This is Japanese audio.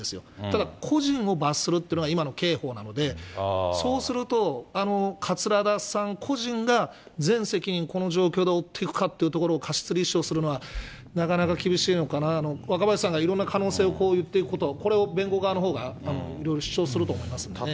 ただ、個人を罰するっていうのが今の刑法なので、そうすると、桂田さん個人が全責任、この状況で負っていくかというところを過失立証するのは、なかなか厳しいのかな、若林さんがいろんな可能性を言っていること、これを弁護側のほうがいろいろ主張すると思いますんでね。